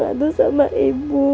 haduh sama ibu